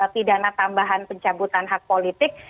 pidana tambahan pencabutan hak politik